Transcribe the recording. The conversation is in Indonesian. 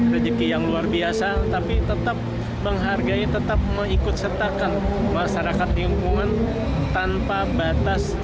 rejeki yang luar biasa tapi tetap menghargai tetap mengikut sertakan masyarakat lingkungan tanpa batas